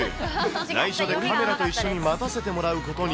内緒でカメラと一緒に待たせてもらうことに。